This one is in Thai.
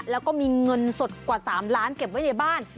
แล้วก็มีเงินสดกว่า๓ล้านเก็บไว้ในบ้าน